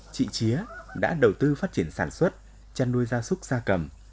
chị chía đã đầu tư phát triển sản xuất chăn nuôi da súc da cầm